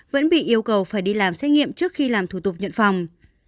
vẫn bị yêu cầu phải đi làm xét nghiệm trước khi làm thủ tục nhận phòng